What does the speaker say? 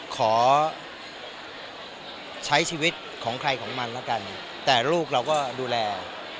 ขอใช้ชีวิตของใครของมันแล้วกันแต่ลูกเราก็ดูแล